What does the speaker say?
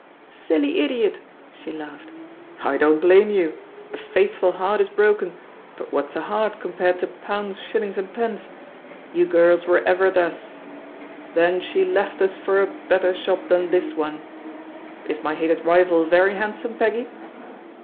''Silly idiot P' she laughed. "I don't blame you I A faithful heart is broken, but what's a heart compared to £ 8. D,? You girls were ever thus. 'Then she left us for a better shop than this one * Is my hated rival very handsome, Peggy?"